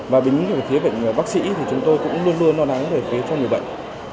và bởi những phía bệnh bác sĩ thì chúng tôi cũng luôn luôn lo lắng về phía trong người bệnh